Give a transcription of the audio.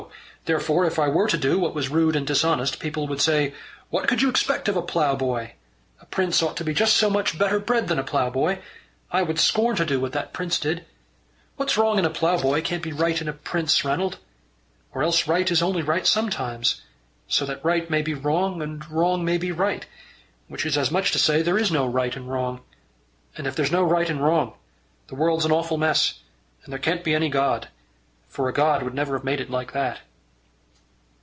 Therefore if I were to do what was rude and dishonest, people would say: 'What could you expect of a ploughboy?' A prince ought to be just so much better bred than a ploughboy. I would scorn to do what that prince did. What's wrong in a ploughboy can't be right in a prince, Ranald. Or else right is only right sometimes; so that right may be wrong and wrong may be right, which is as much as to say there is no right and wrong; and if there's no right and wrong, the world's an awful mess, and there can't be any God, for a God would never have made it like that."